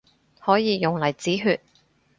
可以用嚟止血